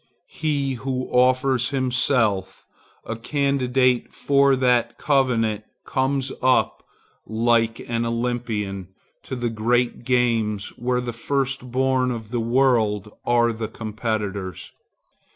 He who offers himself a candidate for that covenant comes up, like an Olympian, to the great games where the first born of the world are the competitors.